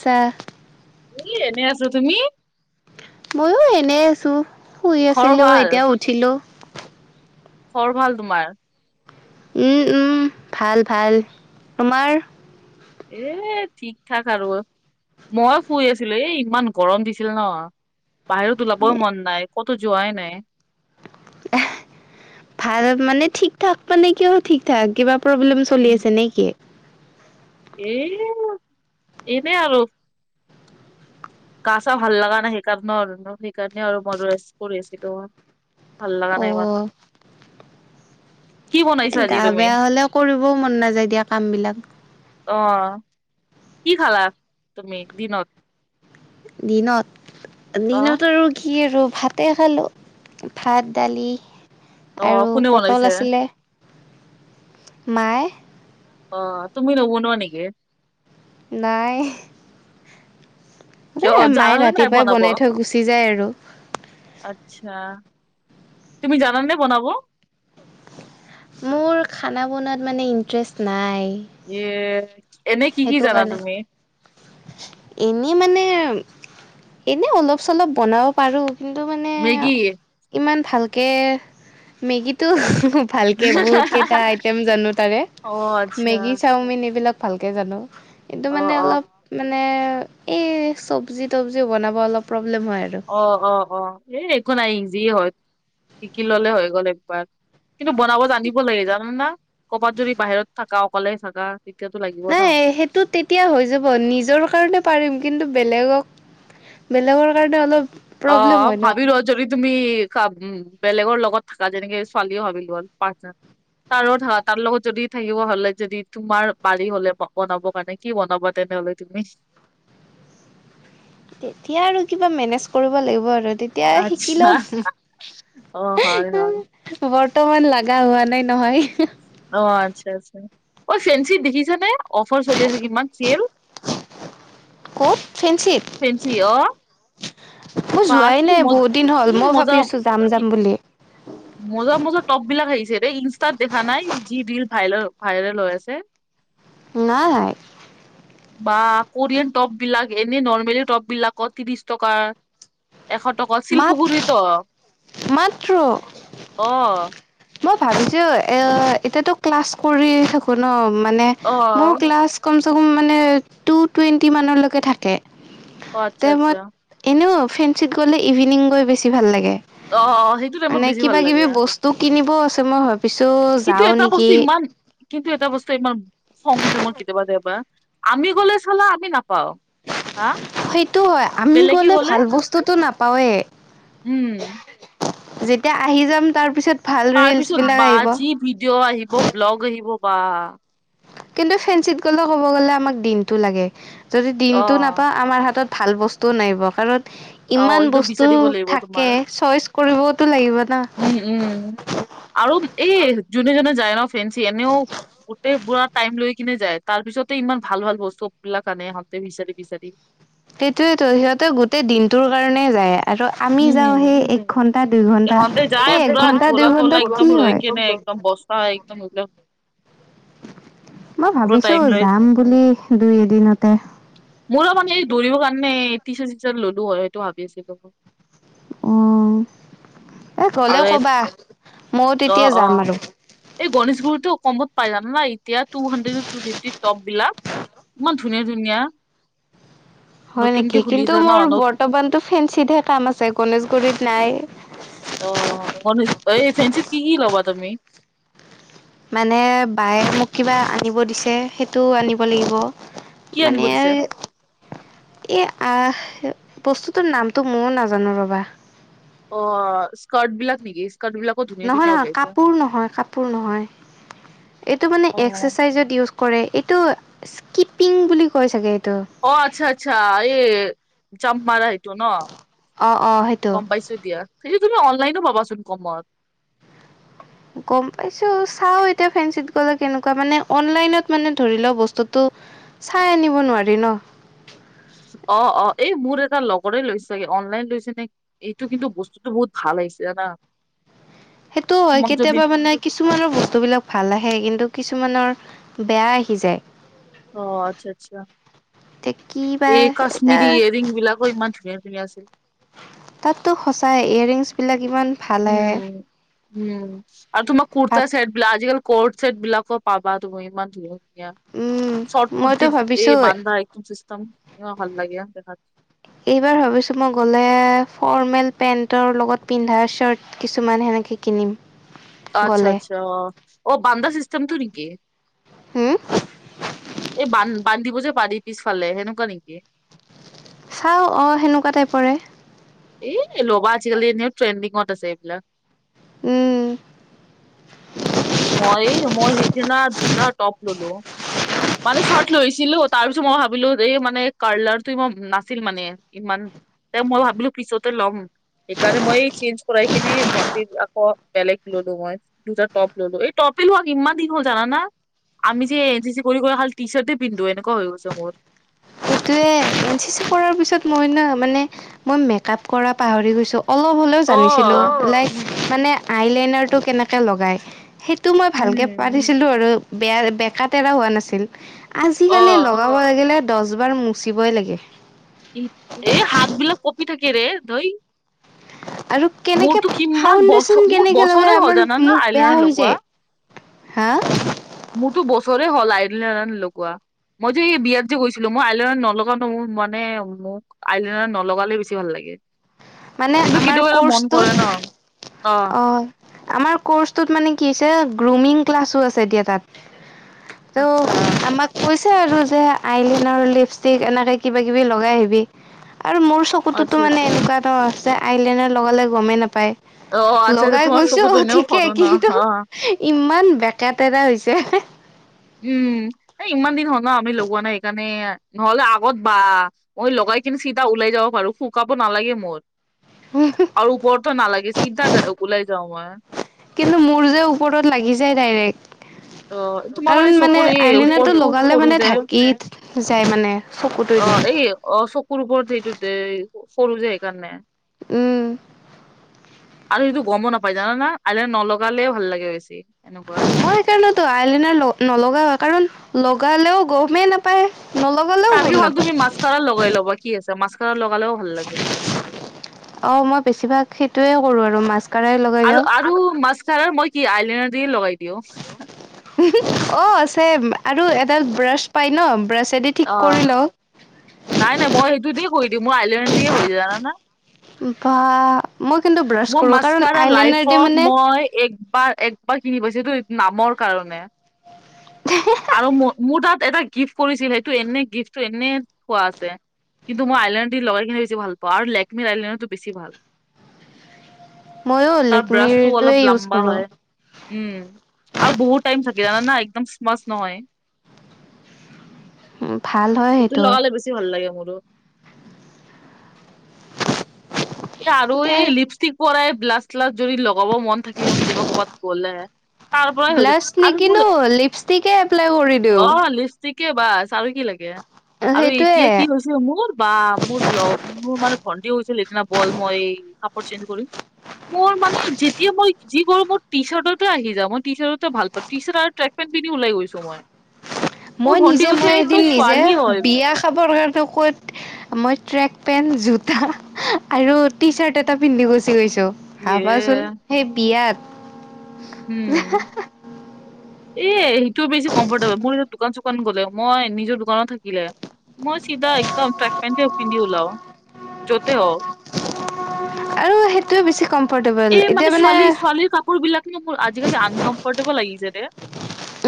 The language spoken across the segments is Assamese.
চাহ এ, এনেই আছো তুমি? মইয়ো এনেই আছোঁ। শুই খৰ আছিলোঁ ভাল, এতিয়া উঠিলোঁ খবৰ ভাল তোমাৰ? উম, উম, ভাল, ভাল, তোমাৰ? এ, ঠিক ঠাক আৰু মই শুই আছিলো, এই ইমান গৰম দিছিলে ন [inaudible] বাহিৰত ওলাবৈ মন নাই। ক'তো যোৱাই নাই। ভাল মানে ঠিক, মানে কিহৰ ঠিক ঠাক কিবা প্ৰব্লেম চলি আছে নেকি? এ, এনেই আৰু। গা-চা ভাল লগা নাই, সেইকাৰণে [unintelligible] আৰু সেইকাৰণে আৰু ম [unintelligible] কৰি আছিলো। ভাল লগা অ নাই ইমান। কি বনাইছা এ আজি গা তুমি বেয়া হ'লে কৰিবও মন নাযায় দিয়া কাম বিলাক। অ, কি খালা তুমি দিনত? দিনত, অ দিনত আৰু কি আৰু ভাতে খালো, ভাত, দালি অ আৰু কোনে বনাইছে পটল আছিলে। মায়ে। অ, তুমি নবনুৱা নেকি? নাই। কিয় সদায় মায়ে জানানে নাই ৰাতিপুৱাই বনাব বনাই থৈ গুচি যায় আৰু। আচ্ছা, তুমি জানা নে বনাব? মোৰ খানা বনুৱাত মানে ইণ্টাৰেষ্ট নাই। ইয়ে সেইটো কাৰণে এনেই মানে এনে অলপ চলপ বনাব পাৰো কিন্তু মানে মেগী ইমান ভালকে মেগীটো ভালকে বহুত কেইটা আইটেম জানো তাৰে অ আচ্ছা মেগী চাওমিন এইবিলাক তে জানো কিন্তু অ মানে অ অলপ মানে এই চব্জি তবজি বনাব অলপ প্ৰব্লেম হয় আৰু অ অ অ এই একো নাই ইজি হয় শিকি ললে হৈ গ'ল একবাৰ কিন্তু বনাব জানিব লাগে জানা না ক'ৰবাত যদি বাহিৰত থাকা অকলে থাকা তেতিয়াটো লাগি নাই সেইটো তেতিয়া হৈ যাব নিজৰ কাৰণে পাৰিম কিন্তু বেলেগক বেলেগৰ কাৰণে অলপ অ প্ৰব্লেম হয় ন ভাবি ল যদি তুমি কা উম বেলেগৰ লগত থাকা যেনেকে ছোৱালীও ভাবিলো হ'ল পাৰ্টনাৰ তাৰো থাকা তাৰ লগত যদি থাকিব হলে যদি তোমাৰ বাৰী হলে ব বনাবৰ কাৰণে কি বনাবা তেনেহ'লে তুমি তেতিয়া আৰু কিবা মেনেজ কৰিব লাগিব আৰু তেত তিয়া শিকি আচ্ছা লম অ হয় হয় বৰ্তমান লাগা হোৱা নাই নহয় অ আচ্ছা আচ্ছা অ ফেঞ্চি দেখিছ নে অফাৰ চলি আছে কিমান চেয়েল ক'ত ফেনঞ্চিত ফেঞ্চি অ মোৰ বা যোৱাই কি নাই মজ বহুত দিন কি হ'ল মই মজা ভাবি আছো যাম কি যাম বুলি মজা মজা টপ বিলাক আহিছে দেই ইনষ্টাত দেখা নাই যি ৰিল ভাইল ভাইৰেল হৈ আছে [unintelligible] নাই বা কোৰিয়ান টপ বিলাক এনে নৰ্মেলি টপ বিলাকৰ ত্ৰিশ টকা এশ টকা মাত শিলপুখুৰী ত মাত্ৰ অ মই ভাবিছো এ এতিয়াতো ক্লাছ কৰি থাকো ন মানে অ মোৰ ক্লাছ কম চকম মানে টু টুয়েণ্টি মানলৈকে থাকে আচ্ছা টাইমত আচ্ছা এনেও ফেঞ্চিত গ'লে ইভিনিং গৈ বেছি ভাল লাগে অ অ সেইটোত টাইমত বেছি ভাল লাগে তো কিনিবও আছে মই ভাবিছোঁ কিন্তু যাওঁ এটা নিকি বস্তু ইমান কিন্তু এটা বস্তু ইমান খং উঠে মই কেতিয়াবা কেতিয়াবা আমি গলে চালা আমি নাপাওঁ সেইটো হয় আমি গলে ভাল বস্তুটো নাপাওৱে উম যেতিয়া আহি যাম তাৰ পিছত ভাল ৰিলচ তাৰপিছত বিলাক বা আহিব যি ভিডিঅ' আহিব ব্লগ আহিব বা কিন্তু ফেঞ্চিত গলো ক'ব গলে আমাক দিনটো লাগে যদি অ দিনটো নাপা আমাৰ হাতত ভাল বস্তুও নাহিব কাৰণ অ ইমান একদম বস্তু বিচাৰিব লাগিব থাকে তোমাৰ চইচ কৰিবতো লাগিব ন উম উম আৰু এই জোনে জোনে যায় ন ফ্ৰেঞ্চি এনেও গোটেই পোৰা টাইম লৈ কিনে যায় তাৰ পিছতে ইমান ভাল ভাল বস্তুবিলাক আনে সিহঁতে বিচাৰি বিচাৰি সেইটোৱেইটো সিহঁতে গোটেই দিনটোৰ কাৰণে যায়। আৰু আমি উম যাওঁ সেই একঘন্টা দুইঘন্টা ইহঁতে যায় সেই পুৰা একঘণ্টা দুই ঘন্টাত কি হয়? অ', বস্তা একদম একদম মই পুৰা ভাবিছোঁ টাইম লৈ যাম বুলি দুই এদিনতে। মোৰো মানে দৌৰিব কাৰণে টিশ্বাৰ্ট চিশ্বাৰ্ট ললো হয় সেইটো ভাবি আছিলোঁ। উম, এ গ'লে আৰু কবা ময়ো অ তেতিয়া যাম অ আৰু এই গণেশগুৰিটো কমত পাই জানা নে এতিয়া টু হাণ্ড্ৰেড টো ফিফটিত টপ বিলাক। ইমান ধুনীয়া ধুনীয়া। হয় নতুনকে নেকি কিন্তু খুলিছে ন মোৰ ন বৰ্তমানতো ফেঞ্চিতহে কাম আছে গণেশগুৰিত নাই। অ', [unintelligible] এই ফেঞ্ছীত কি কি ল'বা তুমি? মানে বায়ে মোক কিবা আনিব দিছে সেইটোও আনিব লাগিব। কি মানে আনিব দিছে এ, আহ বস্তুটোৰ নামটো ময়োঁ নাজানো ৰবা। অ', স্কাৰ্ট বিলাক নেকি? স্কাৰ্ট বিলাকো ধুনীয়া নহয় ধুনীয়া নহয় ওলাইছে কাপোৰ নহয় কাপোৰ নহয় এইটো মানে অ এক্সাৰচাইজত ইউজ কৰে এইটো স্কিপিং বুলি কয় চাগে এইটো। অ' আচ্ছা আচ্ছা এই জাম্পমাৰা হেতু। ন? অ', অ', সেইটো। গম পাইছোঁ দিয়া সেইটো তুমি অনলাইনো পাবা চোন কমত। গম পাইছোঁ চাও এতিয়া ফেঞ্ছিত গ'লে কেনেকুৱা মানে অনলাইনত মানে ধৰি লও বস্তুটো চাই আনিব নোৱাৰি ন? অ', অ' এই মোৰ এটা লগৰে লৈছে চাগে অনলাইন লৈছে নেকি? এইটো কিন্তু বস্তুটো বহুত ভাল আহিছে জানা? সেইটোও হয় তোমাক যদি কেতিয়াবা মানে কিছুমানৰ বস্তুবিলাক ভাল আহে কিন্তু কিছুমানৰ বেয়া আহি যায়। অ', আচ্ছা, আচ্ছা এতিয়া কি বা এই এতিয়া কাশ্মিৰি য়াৰিং বিলাকো ইমান ধুনীয়া ধুনীয়া আছে। তাততো সচাই ইয়াৰিংছ বিলাক ইমান ভাল আহে উম, উম আৰু তোমাৰ ভাব কুৰতা চেট [unintelligible] কৰ্ট ছেট বিলাকো পাবা তুমি ইমান ধুনীয়া। উম চৰ্ট মইতো কুৰ্তিৰ ভাবিছো এই বান্ধা একদম চিষ্টেম ভাল লাগে দেখাত এইবাৰ ভাবিছোঁ মই গ'লে ফৰ্মেল পেণ্টৰ লগত পিন্ধা শ্বাৰ্ট কিছুমান সেনেকে কিনিম। আচ্ছা গ'লে আচ্ছা অ', বান্দা চিষ্টেমটো নেকি? হুম? এই বান-বান্ধিব যে পাৰি পিছফালে সেনেকুৱা নেকি? চাওঁ অ' সেনেকুৱা টাইপৰে। এ ল'বা আজিকালি এনে ট্ৰেণ্ডিঙত আছে এইবিলাক। উম মই, মই সেইদিনা দুটা টপ ললো। মানে চৰ্ট লৈছিলো তাৰ পিছত মই ভাবিলো এই মানে কালাৰটো ইমান নাছিল মানে। ইমান তে মই ভাবিলোঁ পিছতে ল'ম। সেইকাৰণে মই চেঞ্জ কৰাই কিনে ভণ্টিৰ আকৌ বেলেগ ললোঁ মই। দুটা টপ ললোঁ এই টপ [unintelligible] ইমান দিন হল জানা না? আমি যে এন চি চি কৰিবলে খালি টি চাৰ্টে পিন্ধো এনেকুৱা হৈ গৈছে মোৰ। সেইটোৱে এন চি চি কৰাৰ পিছত মই ন, মানে মই মেকআপ কৰা পাহৰি গৈছোঁ। অলপ হ'লেও অ জানিছিলোঁ, লাইক উম মানে আই লেইনাৰটো কেনেকৈ লগাই সে টো মই ভালকে উম পাৰিছিলো আৰু বেয়া বেকা তেৰা হোৱা নাছিল। অ আজিকালি লগাব লাগিলে দচ বাৰ মুচিবই লাগে। এ হাত বিলাক কঁপি থাকে ৰে ধই। আৰু কেনেকে মোৰতো কিমান বছৰ ফাউডেশ্যন মোৰ কেনেকে বছৰে লগাই হ'ল আমাৰ জানানা মুখ বেয়া আইলাইনাৰ হৈ লগোৱা যায়। হা? মোৰতো বছৰে হ'ল আইলিনা লগোৱা। মই যে এই বিয়াত যে গৈছিলো, মই আইলিনাৰ নলগাঁও নহয়, মোৰ মানে মোৰ আইলিনাৰ নলগাঁলে বেছি ভাল লাগে। মানে কিন্তু আমাৰ কেতিয়াবা এটা মন কৰে ন কৰ্চটোত, অ'। আমাৰ কৰ্চটোত মানে কি হৈছে, গ্ৰুমিং ক্লাছো আছে এতিয়া তাত। ত' আচ্ছা। আমাক কৈছে আৰু যে আইলিনাৰ, লিপষ্টিক এনেকে কিবা কিবি লগাই আহিবি আৰু মোৰ আচ্ছা চকুতোতো মানে আচ্ছা এনেকুৱা ত' আছে, আইলিনাৰ লগালে গমেই নাপায়। অ আচ্ছা আচ্ছা লগাই তোমাৰ গৈছো চকুত এনেও ঠিকে, সৰু ন কিন্তু অ ইমান বেকা টেৰা হৈছে। উম, এই ইমান দিন হ'ল ন আমি লগোৱা নাই সেইকাৰণে নহ'লে আগত বা মই লগাই কিনি চিধা ওলাই যাব পাৰো শুকাব নালাগে মোৰ। আৰু ওপৰতটো নালাগে চিধা ওলাই যাওঁ মই। কিন্তু মোৰ যে ওপৰত লাগি যায় ডাইৰেক্ট। অ তোমাৰ কাৰণ মানে চকুৰ এই আইলিনাটো ওপৰতো লগালে সৰু মানে যে ঢাকি, যায় মানে। চকুটোৱেদি। অ', এই এ অ', চকুৰ ওপৰত সেইটোতে সৰু যে সেইকাৰণে। উম। আৰু সেইটো গ'মো নাপাই, জানা না আইলিনাৰ নলগালেয়ে ভাল লাগে বেছি এনেকুৱা। মই সেইকাৰণটো আইলিনা লগ নলগাঁও, কাৰণ লগালেঁও গমেই নাপায়, নল তাতকে ভাল তুমি মাছকাৰা লগাই ল'বা, কি আছে মাছকাৰা লগালেও ভাল লাগেতো। অ', মই বেছিভাগ সেইটোৱে কৰো, আৰু মাছ আৰু, আৰু মাছকাৰাৰ মই কি আইলিনাৰ দিয়ে লগাই দিওঁ। অ', ছেম আৰু এডাল ব্ৰাছ পাই ন ব্ৰাছেদি ঠিক অ কৰি লওঁ। নাই নাই, মই সেইটো দি কৰি দিওঁ, মোৰ আইলিনা দিয় হৈ যায় জানানা। বা মই কিন্তু ব্ৰাছ মোৰ কৰোঁ কাৰণ মাছকাৰা আইলাইনাৰ দি লাইফত মানে মই একবাৰ এক মই কিনি পাইছো এইটো নামৰ কাৰণে, আৰু মো মোৰ তাত এটা গিফ্ট কৰিছিল, সেইটো এনেই গিফ্টটো এনে থোৱা আছে, কিন্তু মই আইলিনা দি লগাই কিনে বেছি ভাল পাওঁ, আৰু লেকমি আইলিনাটো বেছি ভাল। ময়ো তাৰ ব্ৰাছটো লেকমিৰটোৱে অলপ ইউজ লাম্বা কৰোঁ হ'য়। উম, আৰু বহুত টাইম থাকে জানা না একদম স্মাচ নহয়। [inaudible] ভাল হয় সেইটো। বেছি ভাল লাগে মোৰো। এ আৰু এতিয়া এই লিপষ্টিক পৰাই ব্লাছ চিলাছ যদি লগাব মন থাকিলে কেতিয়াবা কৰ'বাত গ'লে, তাৰ পৰাই হয় আৰু মোৰ থিকেই এপ্লাই কৰিম। অ', লিপষ্টিকে বাছ, আৰু কি লাগে আৰু, এতিয়া সেইটোৱে কি হৈছে মোৰ বা মোৰ লগ মোৰ মানে ভণ্টিও হৈছিল, সেইদিনা বল মই কাপোৰ চেঞ্জ কৰিম। মোৰ মানে যেতিয়া মই যি কৰো, মোৰ টি চাৰ্টতে আহি যাওঁ, মই টি চাৰ্টতে ভাল পাওঁ। টি চাৰ্ট আৰু ট্ৰেক পেন পিন্ধি উলাই গৈছো মই। মোৰ মই ভন্টি নিজে কৈছে মই এদিন তই নিজে ছোৱালী হয় বিয়া খাবৰ কাৰণে ক'ত মই ট্ৰেক পেন্ট, জোতা আৰু টি চাৰ্ট এটা পিন্ধি গুচি গৈছো। ভাবাচোন ইয়ে সেই বিয়াত উম। এ সেইটো বেছি কমফৰ্টেবল। মোৰ দোকান চোকান গ'লে মই নিজৰ দোকানত থাকিলে মই চিধা একদম ট্ৰেক পেণ্টে পিন্ধি উলাও য'তে হওক। আৰু সেইটোৱে বেছি কমফৰ্টেবল। এই এতিয়া মানে ছোৱালী [unintelligible] মোৰ আজিকালি আনকমফৰ্টেবল লাগিছে ৰে।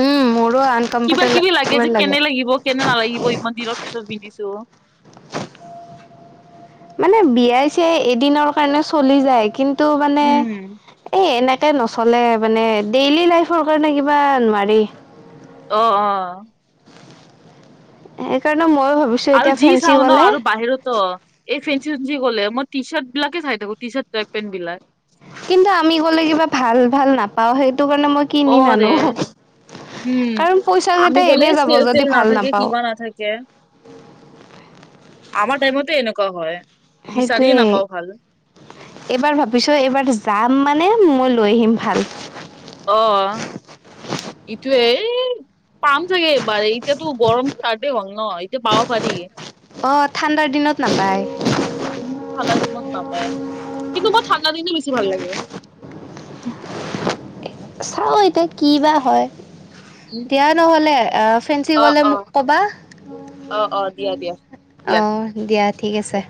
উম মোৰো কিবা কিবি লাগে যে আনকমফৰ্টেবল কেনে লাগিব, কেনে নালাগিব ইমান দিনত পিছত পিন্ধিছো। মানে বিয়াই-চিয়াই এদিনৰ কাৰণে চলি যায় কিন্তু মানে উম এ এনেকে নচলে মানে ডেইলি লাইফৰ কাৰণে কিবা নোৱাৰি। অ অ। সেইকাৰণে ময়ো ভাবিছো আৰু এতিয়া যি ফেঞ্চি চাউন ন গ'লে আৰু বাহিৰতো এই ফেঞ্চি-চেঞ্চি গ'লে মই টিচাৰ্ট বিলাকেই চাই থাকো টি চাৰ্ট পেন্ট বিলাক। কিন্তু আমি গ'লে কিবা ভাল ভাল নাপাওঁ, সেইটো কাৰণে মই অ কিনি নানো। ৰে উম কাৰণ পইচা আমি কেইটা গ'লে এনে যাব যদি চেল-তেল ভাল নাথাকে, নাপাওঁ কিবা নাথাকে। আমাৰ টাইমতে এনেকুৱা হয়। বিচাৰিয়ে সেইটোৱে। নাপাও ভাল এইবাৰ ভাবিছোঁ এইবাৰ যাম মানে মই লৈ আহিম ভাল। অ ইটোৱে এই পাম চাগে এবাৰে, এতিয়াতো গৰম ষ্টাৰ্টেই হ'ল ন? এতিয়া পাব পাৰি। অ ঠাণ্ডাৰ দিনত নাপায়। উম ঠাণ্ডা দিনত নাপায়। কিন্তু মই ঠাণ্ডা দিন বেছি ভাল লাগে। চাও এতিয়া কিবা হয়। উম দিয়া নহ'লে আহ ফেঞ্চি অ গ'লে অ মোক কবা। অ অ দিয়া দিয়া অ দিয়া দিয়া ঠিক আছে।